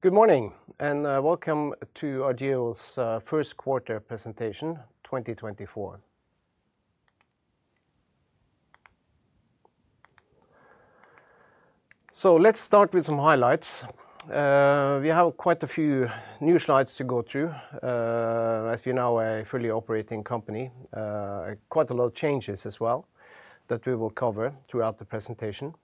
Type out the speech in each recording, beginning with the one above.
Good morning, and welcome to Argeo's First Quarter Presentation, 2024. So let's start with some highlights. We have quite a few new slides to go through, as we're now a fully operating company. Quite a lot of changes as well that we will cover throughout the presentation.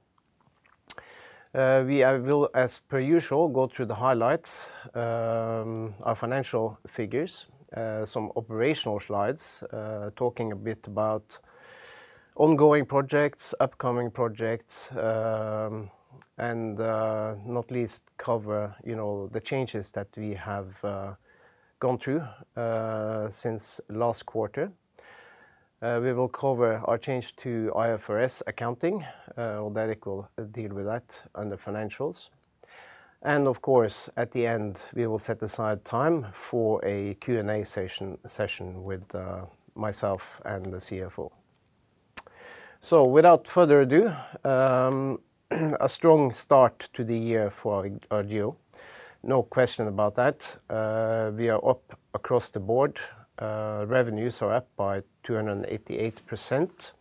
Will, as per usual, go through the highlights, our financial figures, some operational slides, talking a bit about ongoing projects, upcoming projects, and not least cover, you know, the changes that we have gone through since last quarter. We will cover our change to IFRS accounting. Erik will deal with that under financials. And of course, at the end, we will set aside time for a Q&A session with myself and the CFO. So without further ado, a strong start to the year for Argeo. No question about that. We are up across the board. Revenues are up by 288%,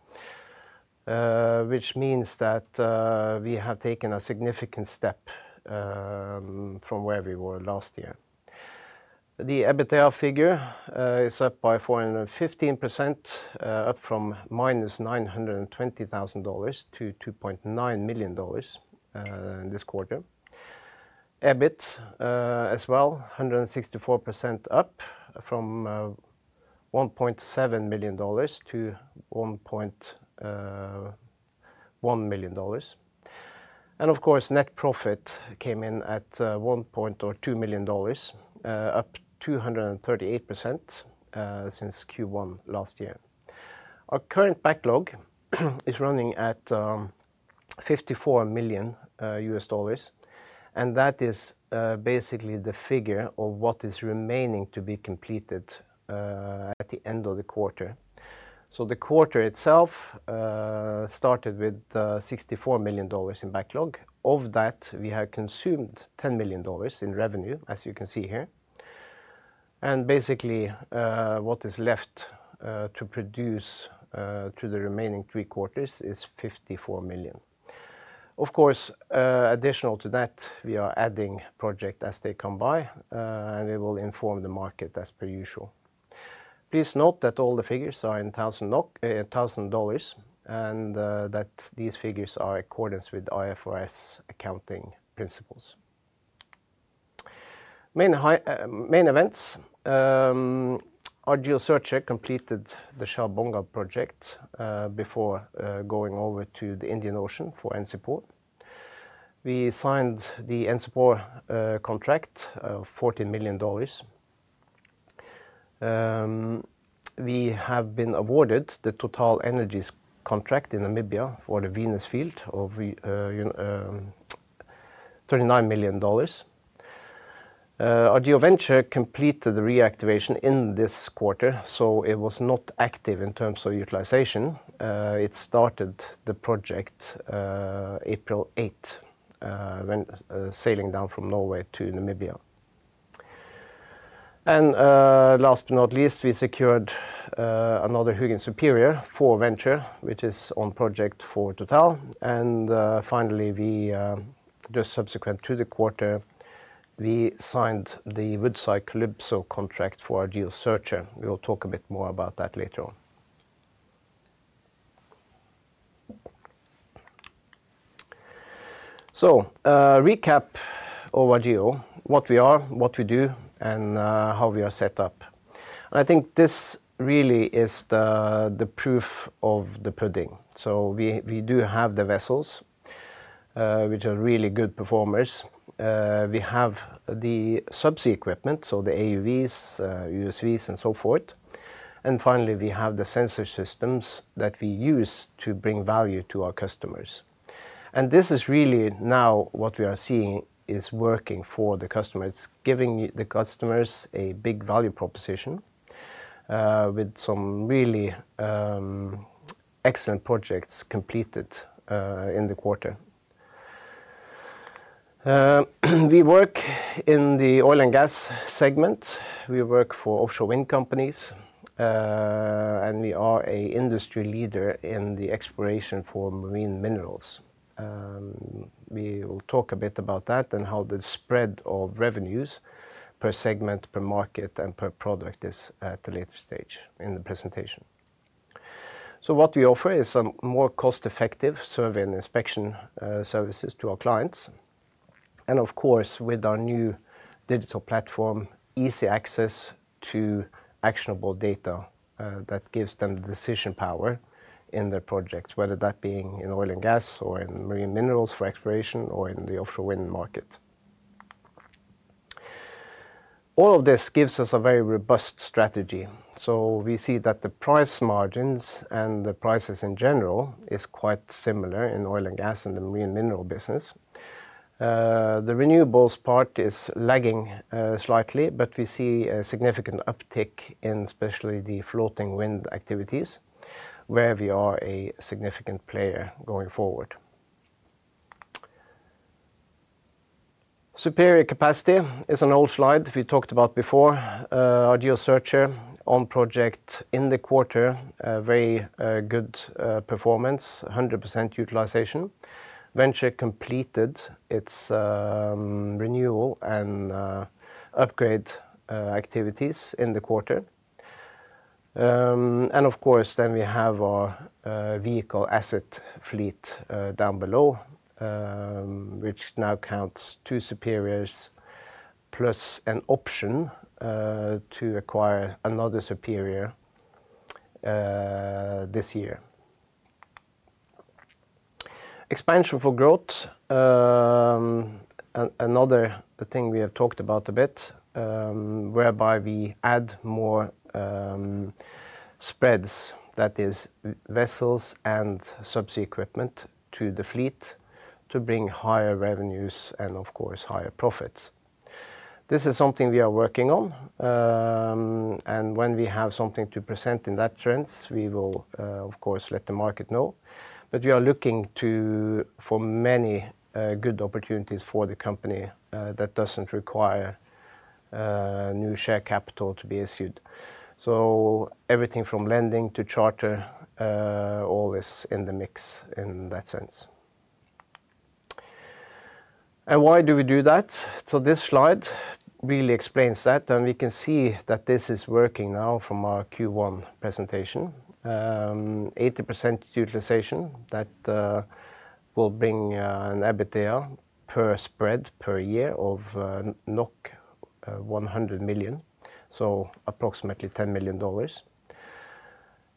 which means that we have taken a significant step from where we were last year. The EBITDA figure is up by 415%, up from -$920,000 to $2.9 million this quarter. EBIT, as well, 164% up from $1.7 million to $1.1 million. And of course, net profit came in at $1.2 million, up 238% since Q1 last year. Our current backlog is running at $54 million, and that is basically the figure of what is remaining to be completed at the end of the quarter. So the quarter itself started with $64 million in backlog. Of that, we have consumed $10 million in revenue, as you can see here. And basically what is left to produce to the remaining 3 quarters is $54 million. Of course additional to that, we are adding project as they come by, and we will inform the market as per usual. Please note that all the figures are in thousand NOK, thousand dollars, and that these figures are in accordance with IFRS accounting principles. Main high main events. Argeo Searcher completed the Shell Bonga project before going over to the Indian Ocean for NCPOR. We signed the NCPOR contract of $40 million. We have been awarded the TotalEnergies contract in Namibia for the Venus field of $39 million. Argeo Venture completed the reactivation in this quarter, so it was not active in terms of utilization. It started the project April 8 when sailing down from Norway to Namibia. And last but not least, we secured another Hugin Superior for Venture, which is on project for TotalEnergies. And finally, we just subsequent to the quarter, we signed the Woodside Calypso contract for Argeo Searcher. We will talk a bit more about that later on. So, recap of Argeo, what we are, what we do, and how we are set up. I think this really is the proof of the pudding. So we do have the vessels, which are really good performers. We have the subsea equipment, so the AUVs, USVs, and so forth. And finally, we have the sensor systems that we use to bring value to our customers. And this is really now what we are seeing is working for the customers, giving the customers a big value proposition, with some really excellent projects completed in the quarter. We work in the oil and gas segment. We work for offshore wind companies, and we are an industry leader in the exploration for marine minerals. We will talk a bit about that and how the spread of revenues per segment, per market, and per product is at a later stage in the presentation. So what we offer is some more cost-effective survey and inspection services to our clients. And of course, with our new digital platform, easy access to actionable data that gives them the decision power in their projects, whether that being in oil and gas, or in marine minerals for exploration, or in the offshore wind market. All of this gives us a very robust strategy. So we see that the price margins and the prices in general is quite similar in oil and gas and the marine mineral business. The renewables part is lagging slightly, but we see a significant uptick in especially the floating wind activities, where we are a significant player going forward. Superior capacity is an old slide we talked about before. Our Argeo Searcher on project in the quarter, a very good performance, 100% utilization. Argeo Venture completed its renewal and upgrade activities in the quarter. And of course, then we have our vehicle asset fleet down below, which now counts two Hugin Superiors plus an option to acquire another Hugin Superior this year. Expansion for growth. Another thing we have talked about a bit, whereby we add more spreads, that is vessels and subsea equipment, to the fleet to bring higher revenues and of course, higher profits. This is something we are working on. And when we have something to present in that trends, we will of course let the market know. But we are looking to for many good opportunities for the company that doesn't require new share capital to be issued. So everything from lending to charter all is in the mix in that sense. And why do we do that? So this slide really explains that, and we can see that this is working now from our Q1 presentation. 80% utilization that will bring an EBITDA per spread per year of 100 million, so approximately $10 million.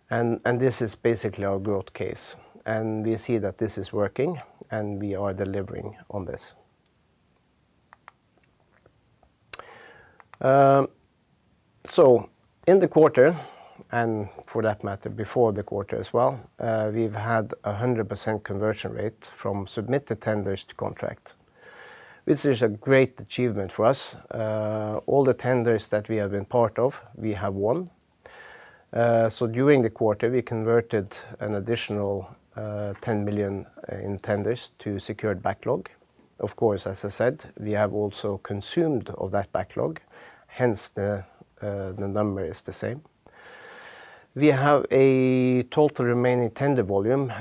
And this is basically our growth case, and we see that this is working, and we are delivering on this. So in the quarter, and for that matter, before the quarter as well, we've had a 100% conversion rate from submitted tenders to contract. This is a great achievement for us. All the tenders that we have been part of, we have won. So during the quarter, we converted an additional $10 million in tenders to secured backlog. Of course, as I said, we have also consumed of that backlog, hence the number is the same. We have a total remaining tender volume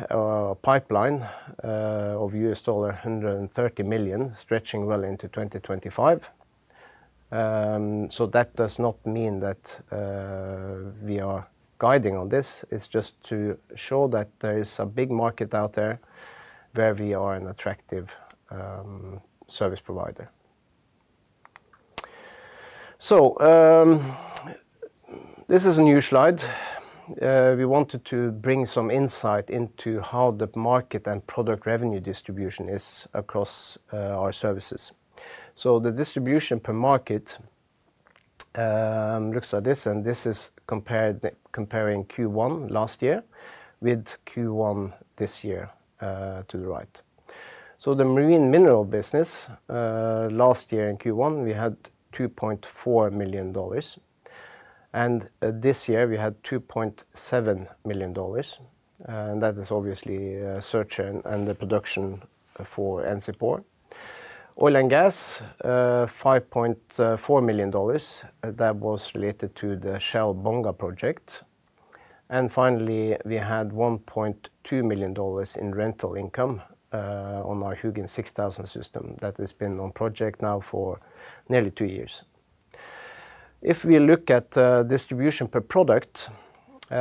pipeline of $130 million, stretching well into 2025. So that does not mean that we are guiding on this. It's just to show that there is a big market out there where we are an attractive service provider. So this is a new slide. We wanted to bring some insight into how the market and product revenue distribution is across our services. So the distribution per market looks like this, and this is compared, comparing Q1 last year with Q1 this year, to the right. So the marine mineral business last year in Q1, we had $2.4 million, and this year we had $2.7 million. And that is obviously search and production for NCPOR. Oil and gas, $5.4 million, that was related to the Shell Bonga project. And finally, we had $1.2 million in rental income on our Hugin 6000 system. That has been on project now for nearly two years. If we look at the distribution per product, we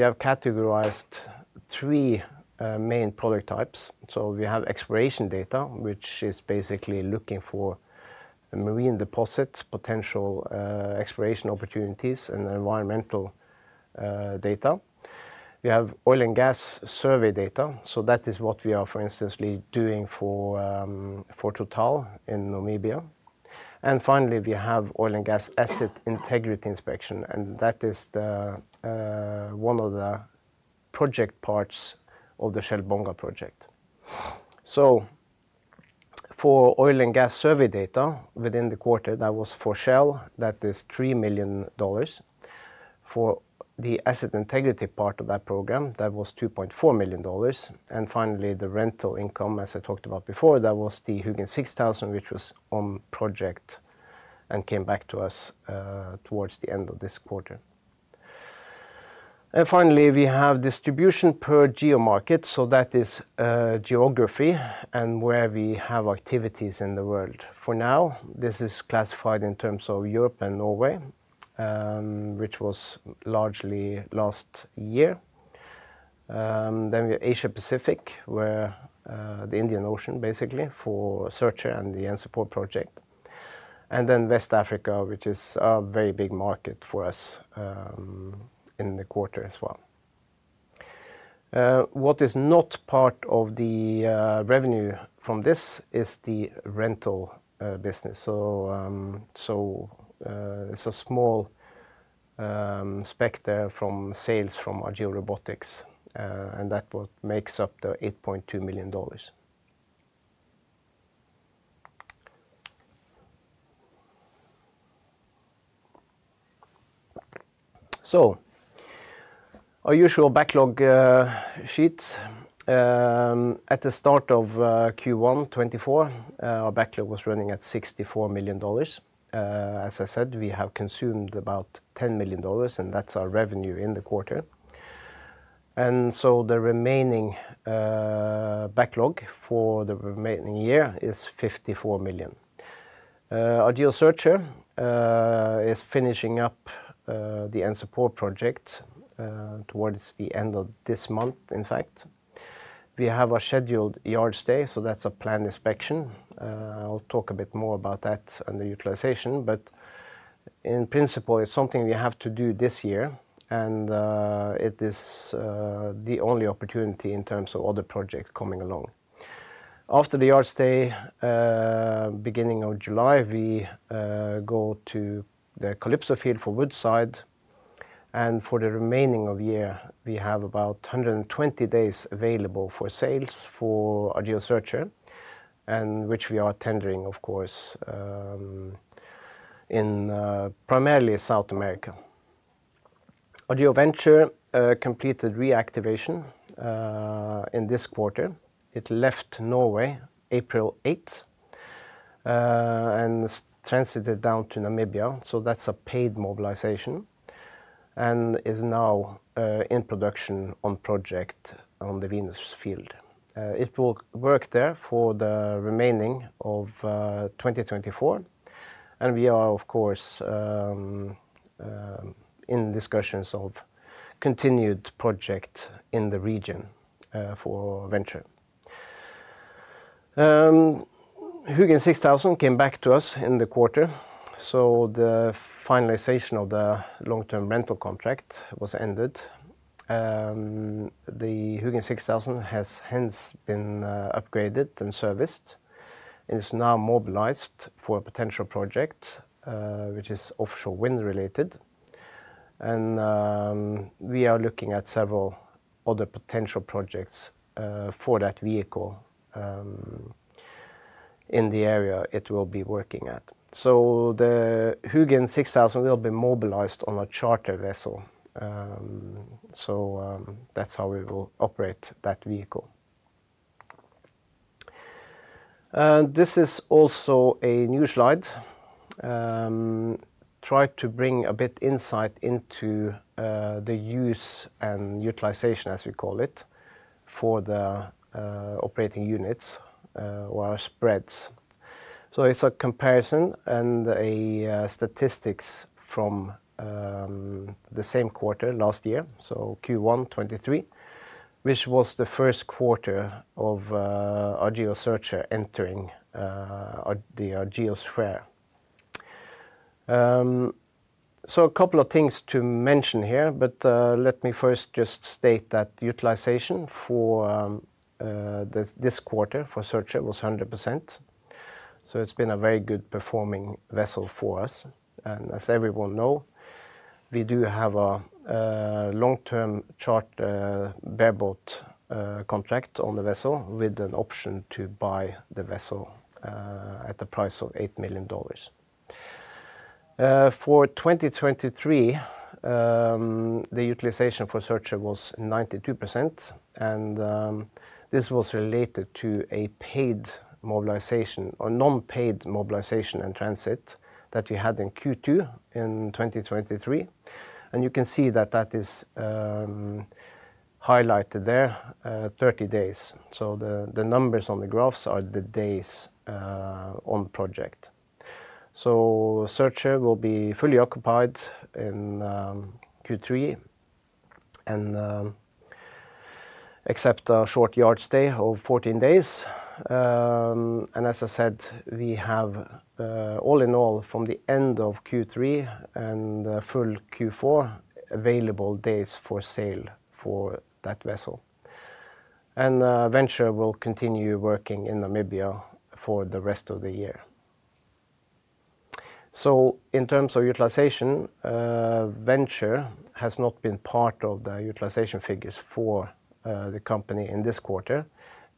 have categorized three main product types. So we have exploration data, which is basically looking for marine deposit potential, exploration opportunities and environmental data. We have oil and gas survey data, so that is what we are, for instance, doing for Total in Namibia. And finally, we have oil and gas asset integrity inspection, and that is the one of the project parts of the Shell Bonga project. So for oil and gas survey data within the quarter, that was for Shell, that is $3 million. For the asset integrity part of that program, that was $2.4 million. And finally, the rental income, as I talked about before, that was the Hugin 6000, which was on project and came back to us towards the end of this quarter. And finally, we have distribution per geomarket, so that is geography and where we have activities in the world. For now, this is classified in terms of Europe and Norway, which was largely last year. Then we have Asia Pacific, where the Indian Ocean, basically, for the Searcher and the NCPOR project, and then West Africa, which is a very big market for us, in the quarter as well. What is not part of the revenue from this is the rental business. So, it's a small sector from sales from Argeo Robotics, and that's what makes up the $8.2 million. So our usual backlog sheet at the start of Q1 2024, our backlog was running at $64 million. As I said, we have consumed about $10 million, and that's our revenue in the quarter. So the remaining backlog for the remaining year is $54 million. Our Argeo Searcher is finishing up the end support project towards the end of this month, in fact. We have a scheduled yard stay, so that's a planned inspection. I'll talk a bit more about that and the utilization, but in principle, it's something we have to do this year, and it is the only opportunity in terms of other projects coming along. After the yard stay, beginning of July, we go to the Calypso field for Woodside, and for the remaining of the year, we have about 120 days available for sales for our Argeo Searcher, and which we are tendering, of course, in primarily South America. Our Argeo Venture completed reactivation in this quarter. It left Norway April 8th, and transited down to Namibia, so that's a paid mobilization, and is now in production on project on the Venus field. It will work there for the remaining of 2024, and we are, of course, in discussions of continued project in the region, for Venture. Hugin 6000 came back to us in the quarter, so the finalization of the long-term rental contract was ended. The Hugin 6000 has hence been upgraded and serviced, and is now mobilized for a potential project, which is offshore wind related. We are looking at several other potential projects, for that vehicle, in the area it will be working at. So the Hugin 6000 will be mobilized on a charter vessel. So, that's how we will operate that vehicle. This is also a new slide. Try to bring a bit insight into the use and utilization, as we call it, for the operating units or our spreads. So it's a comparison and statistics from the same quarter last year, so Q1 2023, which was the first quarter of our Argeo Searcher entering our the geosphere. So a couple of things to mention here, but let me first just state that utilization for this quarter for Searcher was 100%. So it's been a very good performing vessel for us, and as everyone know, we do have a long-term charter bareboat contract on the vessel, with an option to buy the vessel at the price of $8 million. For 2023, the utilization for Searcher was 92%, and this was related to a paid mobilization or non-paid mobilization and transit that we had in Q2 in 2023. And you can see that that is highlighted there, 30 days. So the numbers on the graphs are the days on project. So Searcher will be fully occupied in Q3 and, except a short yard stay of 14 days. And as I said, we have, all in all, from the end of Q3 and full Q4, available days for sale for that vessel. And Venture will continue working in Namibia for the rest of the year. So in terms of utilization, Venture has not been part of the utilization figures for the company in this quarter,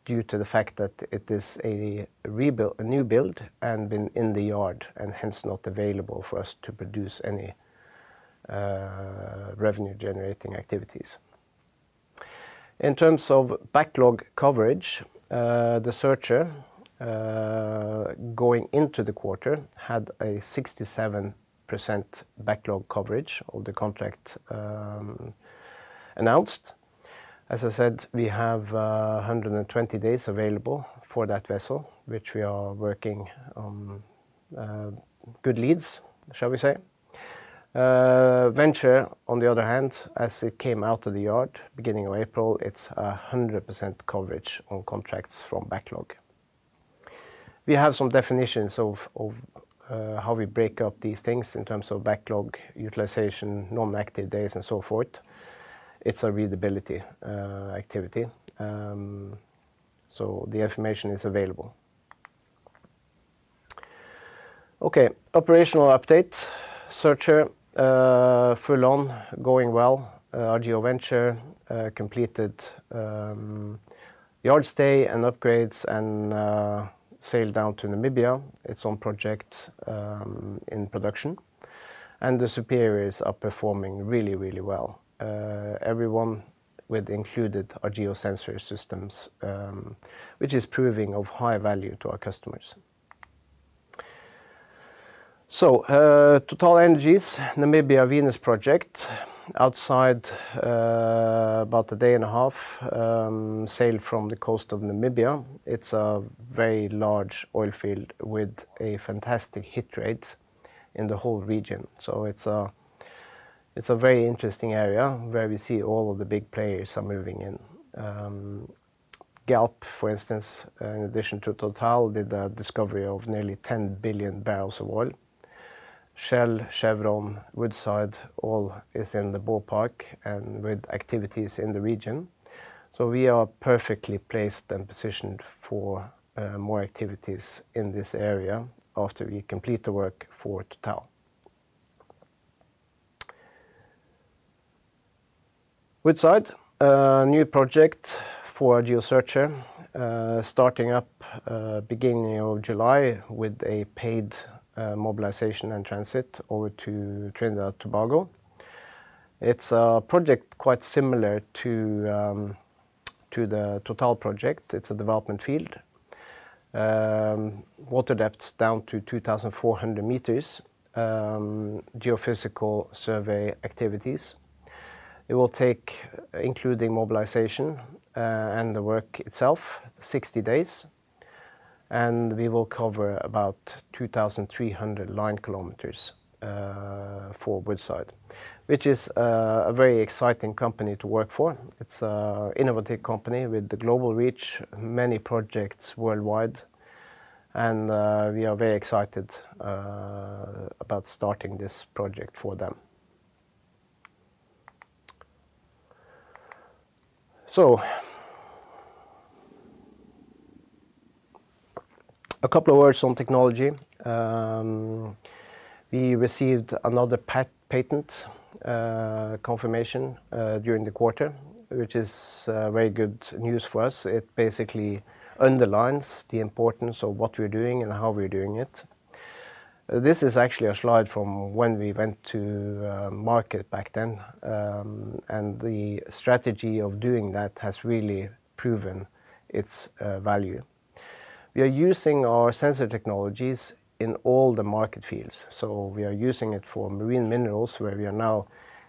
due to the fact that it is a rebuild... a new build and been in the yard, and hence, not available for us to produce any revenue-generating activities. In terms of backlog coverage, the Searcher, going into the quarter, had a 67% backlog coverage of the contract announced. As I said, we have 120 days available for that vessel, which we are working on good leads, shall we say? Venture, on the other hand, as it came out of the yard, beginning of April, it's 100% coverage on contracts from backlog. We have some definitions of how we break up these things in terms of backlog, utilization, non-active days, and so forth. It's a readability activity, so the information is available. Okay, operational update. Searcher full on, going well. Our GeoVenture completed yard stay and upgrades and sailed down to Namibia. It's on project in production... and the superiors are performing really, really well. Everyone with included our Geo Sensor systems, which is proving of high value to our customers. So, TotalEnergies, Namibia Venus project, outside about a day and a half sail from the coast of Namibia. It's a very large oil field with a fantastic hit rate in the whole region. So it's a very interesting area where we see all of the big players are moving in. Galp, for instance, in addition to Total, did a discovery of nearly 10 billion barrels of oil. Shell, Chevron, Woodside, all is in the ballpark and with activities in the region. So we are perfectly placed and positioned for more activities in this area after we complete the work for Total. Woodside, a new project for Argeo Searcher, starting up beginning of July with a paid mobilization and transit over to Trinidad and Tobago. It's a project quite similar to the Total project. It's a development field. Water depths down to 2,400 meters, geophysical survey activities. It will take, including mobilization and the work itself, 60 days, and we will cover about 2,300 line kilometers for Woodside, which is a very exciting company to work for. It's an innovative company with the global reach, many projects worldwide, and we are very excited about starting this project for them. So a couple of words on technology. We received another patent confirmation during the quarter, which is very good news for us. It basically underlines the importance of what we're doing and how we're doing it. This is actually a slide from when we went to market back then, and the strategy of doing that has really proven its value. We are using our sensor technologies in all the market fields. So we are using it for marine minerals, where we are now.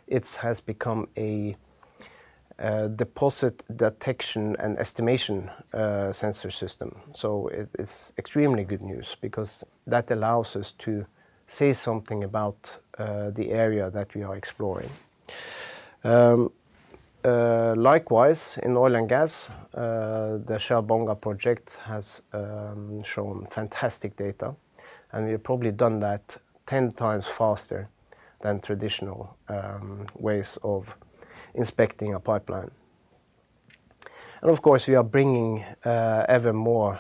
It has become a deposit detection and estimation sensor system. So it's extremely good news because that allows us to say something about the area that we are exploring. Likewise, in oil and gas, the Shell Bonga project has shown fantastic data, and we've probably done that 10x faster than traditional ways of inspecting a pipeline. And of course, we are bringing ever more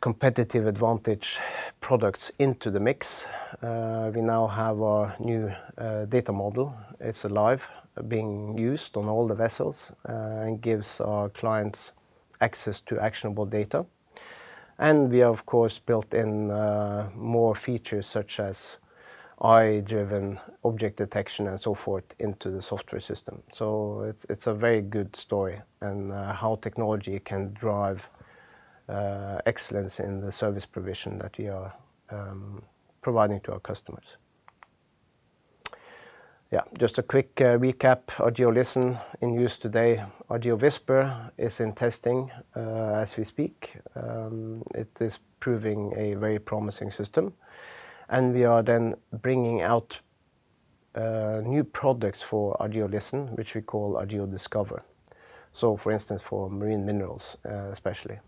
competitive advantage products into the mix. We now have our new data model. It's alive, being used on all the vessels, and gives our clients access to actionable data. And we have, of course, built in more features such as AI-driven object detection and so forth into the software system. So it's a very good story and how technology can drive excellence in the service provision that we are providing to our customers. Yeah, just a quick recap. GeoListen in use today. GeoWhisper is in testing as we speak. It is proving a very promising system, and we are then bringing out new products for our GeoListen, which we call GeoDiscover. So for instance, for marine minerals, especially.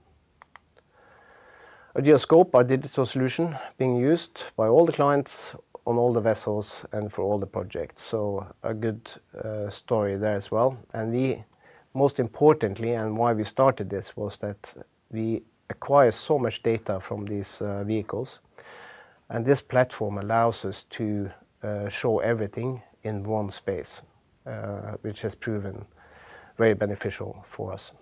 GeoScope, our digital solution, being used by all the clients on all the vessels and for all the projects. So a good story there as well. And most importantly, and why we started this, was that we acquire so much data from these vehicles, and this platform allows us to show everything in one space, which has proven very beneficial for us.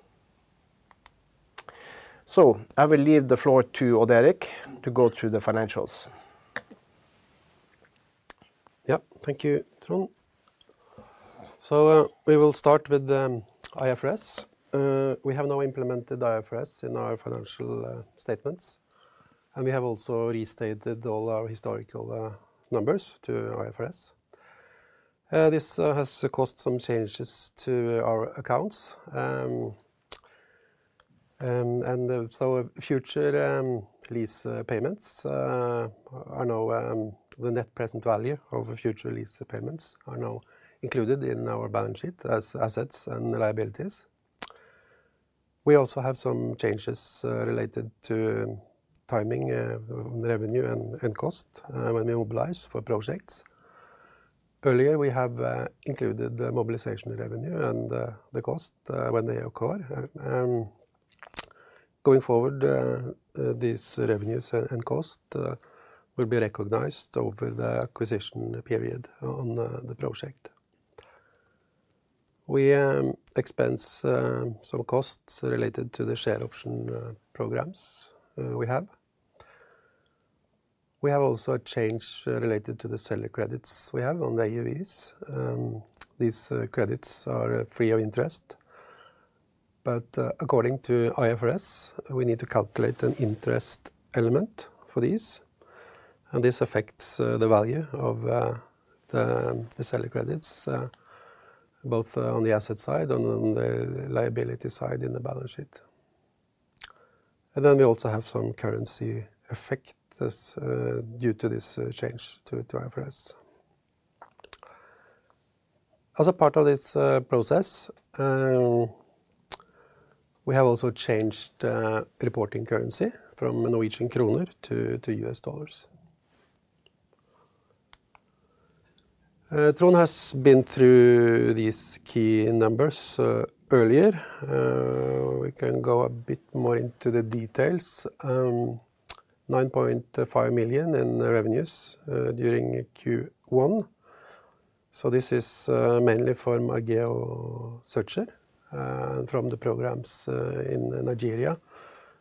So I will leave the floor to Odd Erik to go through the financials. Yeah. Thank you, Trond. So we will start with the IFRS. We have now implemented IFRS in our financial statements, and we have also restated all our historical numbers to IFRS. This has caused some changes to our accounts. And so future lease payments are now the net present value of future lease payments are now included in our balance sheet as assets and liabilities. We also have some changes related to timing revenue and cost when we mobilize for projects. Earlier, we have included the mobilization revenue and the cost when they occur. Going forward, these revenues and cost will be recognized over the acquisition period on the project.... we expense some costs related to the share option programs we have. We have also a change related to the seller credits we have on the AUVs, and these credits are free of interest. But according to IFRS, we need to calculate an interest element for these, and this affects the value of the seller credits both on the asset side and on the liability side in the balance sheet. And then we also have some currency effect that's due to this change to IFRS. As a part of this process, we have also changed reporting currency from Norwegian kroner to US dollars. Trond has been through these key numbers earlier. We can go a bit more into the details. $9.5 million in revenues during Q1, so this is mainly from Argeo Searcher from the programs in Nigeria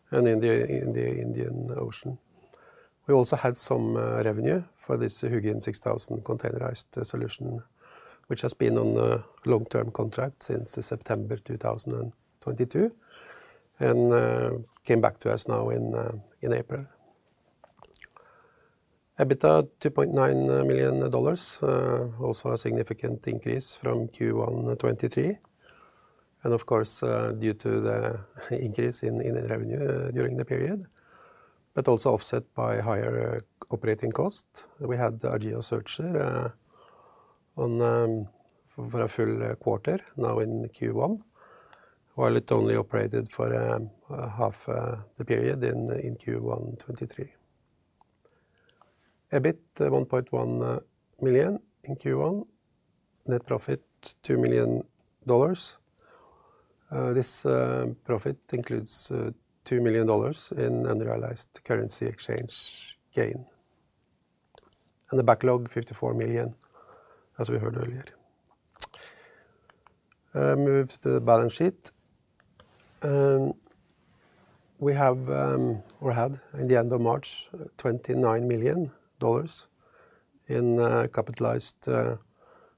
and in the Indian Ocean. We also had some revenue for this Hugin 6000 containerized solution, which has been on a long-term contract since September 2022, and came back to us now in April. EBITDA $2.9 million, also a significant increase from Q1 2023, and of course due to the increase in the revenue during the period, but also offset by higher operating costs. We had the Argeo Searcher on for a full quarter now in Q1, while it only operated for half the period in Q1 2023. EBIT $1.1 million in Q1. Net profit $2 million. This profit includes $2 million in unrealized currency exchange gain. The backlog, $54 million, as we heard earlier. Moves to the balance sheet. We have, or had, in the end of March, $29 million in capitalized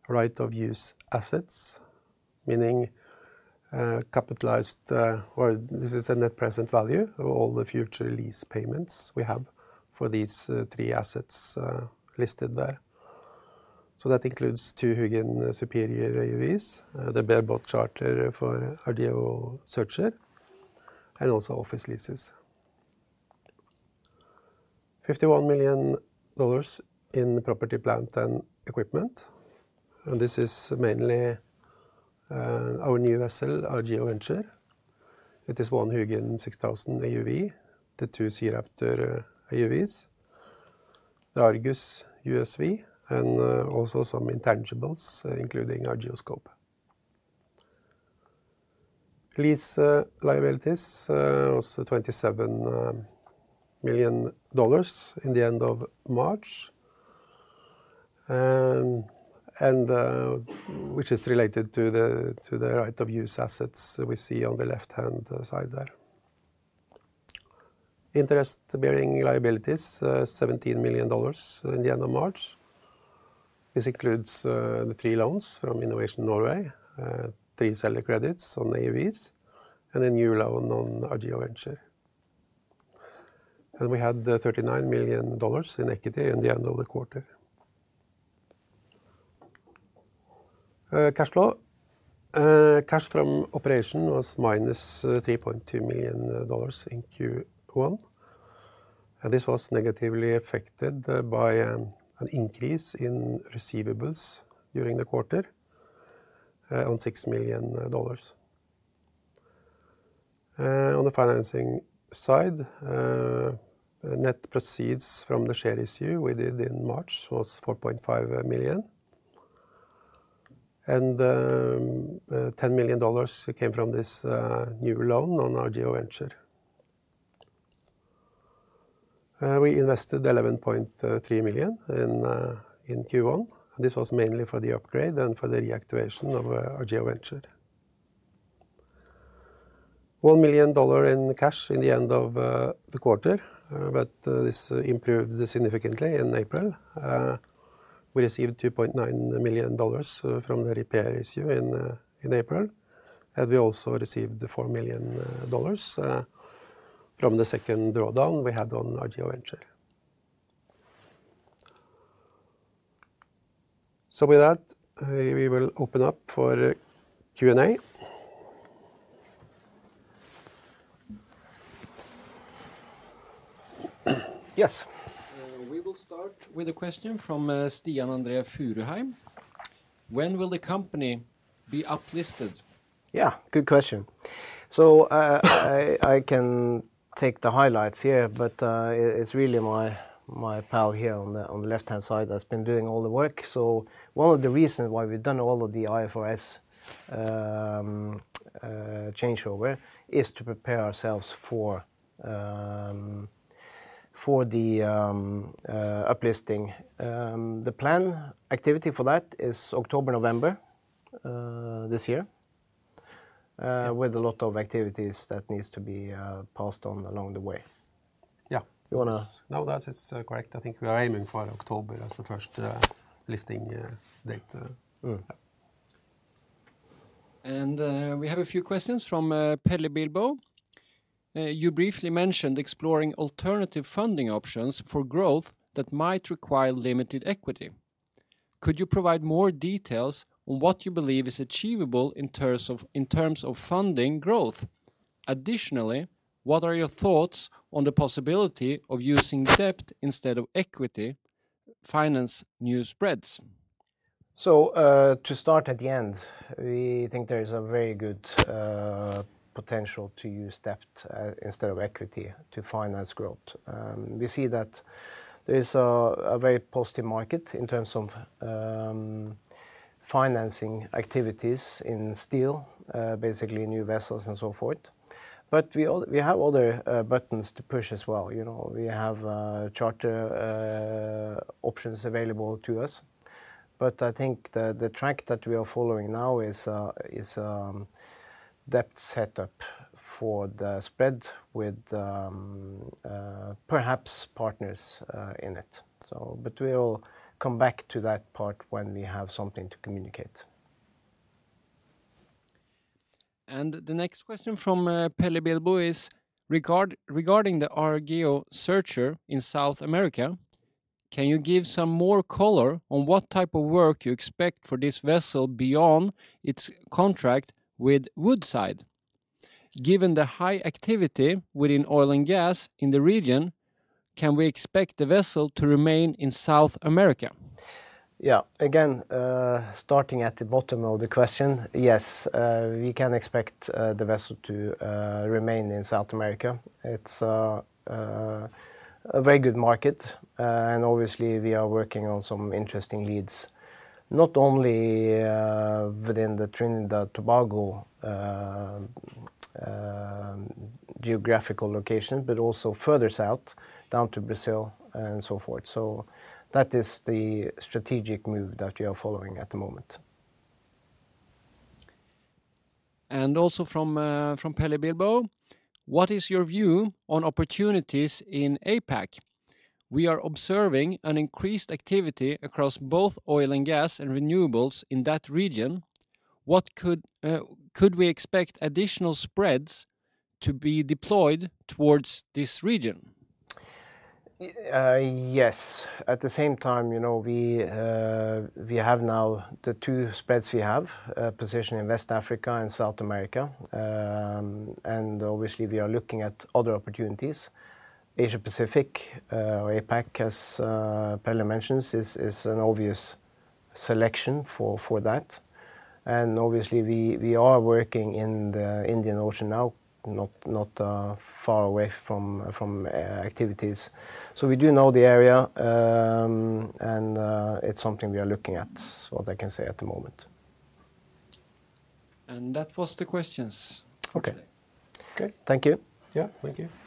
right-of-use assets, meaning this is a net present value of all the future lease payments we have for these three assets listed there. So that includes two Hugin Superior AUVs, the bareboat charter for Argeo Searcher, and also office leases. $51 million in property, plant, and equipment, and this is mainly our new vessel, Argeo Venture. It is one Hugin 6000 AUV, the two SeaRaptor AUVs, the Argus USV, and also some intangibles, including Argeo Scope. Lease liabilities was $27 million in the end of March, and which is related to the right of use assets we see on the left-hand side there. Interest-bearing liabilities $17 million in the end of March. This includes the three loans from Innovation Norway, three seller credits on AUVs, and a new loan on Argeo Venture. And we had $37 million in equity in the end of the quarter. Cash flow. Cash from operation was -$3.2 million in Q1, and this was negatively affected by an increase in receivables during the quarter on $6 million. On the financing side, net proceeds from the share issue we did in March was $4.5 million, and $10 million came from this new loan on Argeo Venture. We invested $11.3 million in Q1, and this was mainly for the upgrade and for the reactivation of Argeo Venture. $1 million dollar in cash in the end of the quarter, but this improved significantly in April. We received $2.9 million from the repair issue in April, and we also received the $4 million from the second drawdown we had on Argeo Venture. So with that, we will open up for Q&A. Yes? We will start with a question from Stian André Furuheim: When will the company be uplisted? Yeah, good question. So, I can take the highlights here, but, it's really my pal here on the left-hand side that's been doing all the work. So one of the reasons why we've done all of the IFRS,... the changeover is to prepare ourselves for the uplisting. The plan activity for that is October, November this year, with a lot of activities that needs to be passed on along the way. Yeah. You wanna- No, that is correct. I think we are aiming for October as the first listing date. Mm. Yeah. We have a few questions from Pelle Bibow. You briefly mentioned exploring alternative funding options for growth that might require limited equity. Could you provide more details on what you believe is achievable in terms of, in terms of funding growth? Additionally, what are your thoughts on the possibility of using debt instead of equity finance new spreads? So, to start at the end, we think there is a very good potential to use debt instead of equity to finance growth. We see that there is a very positive market in terms of financing activities in steel, basically new vessels and so forth. But we have other buttons to push as well. You know, we have charter options available to us, but I think the track that we are following now is debt setup for the spread with perhaps partners in it. So but we will come back to that part when we have something to communicate. The next question from Pelle Bibow is: Regarding the Argeo Searcher in South America, can you give some more color on what type of work you expect for this vessel beyond its contract with Woodside? Given the high activity within oil and gas in the region, can we expect the vessel to remain in South America? Yeah. Again, starting at the bottom of the question, yes, we can expect the vessel to remain in South America. It's a very good market, and obviously, we are working on some interesting leads, not only within the Trinidad and Tobago geographical location, but also further south, down to Brazil and so forth. So that is the strategic move that we are following at the moment. And also from Pelle Bibow: What is your view on opportunities in APAC? We are observing an increased activity across both oil and gas and renewables in that region. Could we expect additional spreads to be deployed towards this region? Yes. At the same time, you know, we have now the two spreads we have positioned in West Africa and South America. And obviously, we are looking at other opportunities. Asia Pacific, or APAC, as Pelle mentions, is an obvious selection for that, and obviously, we are working in the Indian Ocean now, not far away from activities. So we do know the area, and it's something we are looking at, is what I can say at the moment. And that was the questions- Okay... today. Okay. Thank you. Yeah. Thank you.